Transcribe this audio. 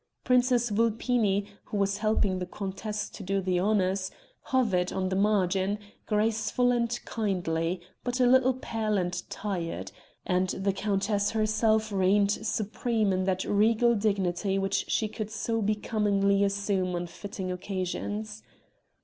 Princess Vulpini, who was helping the countess to do the honors, hovered on the margin, graceful and kindly, but a little pale and tired, and the countess herself reigned supreme in that regal dignity which she could so becomingly assume on fitting occasions.